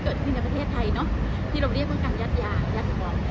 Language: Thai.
เกิดขึ้นในประเทศไทยเนอะที่เราเรียกว่าการยัดยายัดฟุตบอล